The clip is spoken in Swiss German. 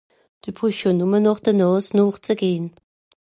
Dü brüsch jo nùmme de Nààs nooch ze gehn.